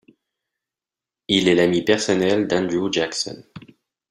Il est l'ami personnel d'Andrew Jackson.